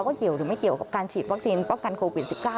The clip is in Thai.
เกี่ยวหรือไม่เกี่ยวกับการฉีดวัคซีนป้องกันโควิด๑๙